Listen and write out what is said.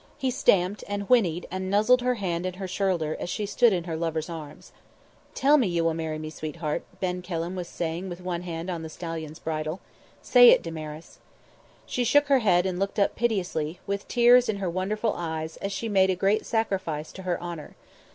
He stamped, and whinnied, and nuzzled her hand and her shoulder as she stood in her lover's arms. "Tell me you will marry me, sweetheart," Ben Kelham was saying, with one hand on the stallion's bridle. "Say it, Damaris." She shook her head and looked up piteously, with tears in her wonderful eyes, as she made a great sacrifice to her honour.